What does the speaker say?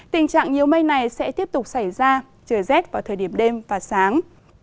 tình trạng nhiều mây này sẽ tiếp tục xảy ra trời rét vào thời điểm đêm và sáng